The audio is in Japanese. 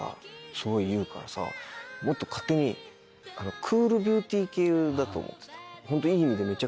すごい言うからさ勝手にクールビューティー系だと思ってた。